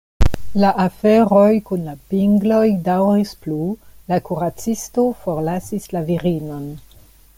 La aferoj kun la pingloj daŭris plu, la kuracisto forlasis la virinon.